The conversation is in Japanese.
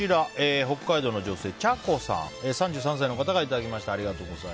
北海道の女性３３歳の方からいただきました。